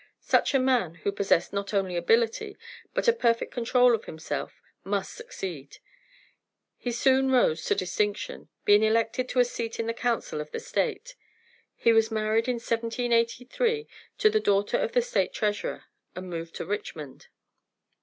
Such a man, who possessed not only ability but a perfect control of himself, MUST SUCCEED. He soon rose to distinction, being elected to a seat in the council of the State. He was married in 1783 to the daughter of the State treasurer and moved to Richmond.